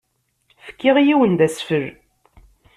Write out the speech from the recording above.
Fkiɣ yiwen d asfel.